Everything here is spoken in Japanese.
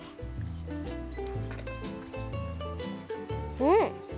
うん！